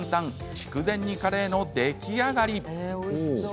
筑前煮カレーの出来上がり。